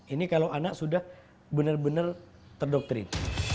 ini kalau anak sudah benar benar terdoktrin